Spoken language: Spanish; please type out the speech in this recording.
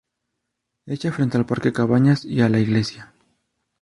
Hecha frente al Parque Cabañas y a la iglesia.